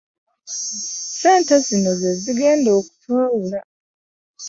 ssente zino zezigenda okutwawula.